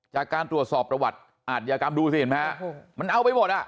จากการตรวจสอบประวัติอาทยากรรมดูสิเห็นไหมฮะมันเอาไปหมดอ่ะ